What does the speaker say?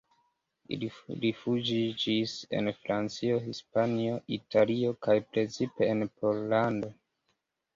Ili rifuĝiĝis en Francio, Hispanio, Italio kaj precipe en Pollando.